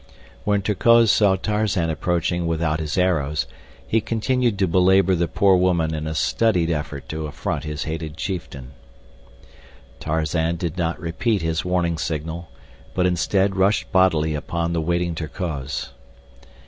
When Terkoz saw Tarzan approaching without his arrows, he continued to belabor the poor woman in a studied effort to affront his hated chieftain. Tarzan did not repeat his warning signal, but instead rushed bodily upon the waiting Terkoz.